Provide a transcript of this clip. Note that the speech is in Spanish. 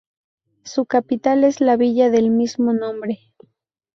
Su capital es la villa del mismo nombre.